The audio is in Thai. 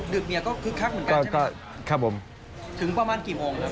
ดึกนี่ก็คลึกคลักเหมือนกันใช่ไหม